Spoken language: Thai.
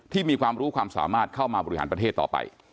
มีความรู้ความสามารถเข้ามาบริหารประเทศต่อไป